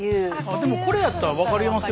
でもこれやったら分かりますよね。